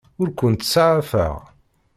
Ur kent-ttsaɛafeɣ.